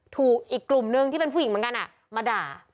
ถูกอีกกลุ่มนึงที่เป็นผู้หญิงเหมือนกันมาด่า